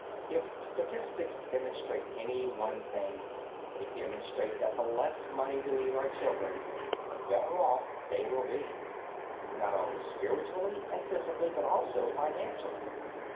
If statistics demonstrate any one thing, they demonstrate that the less money we leave our children the better off they will be; not only spiritually and physically, but also financially.